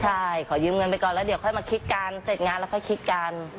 ใช่ขอยืมเงินไปก่อนแล้วเดี๋ยวก็มาคิดการเสร็จงานแล้วคิดการ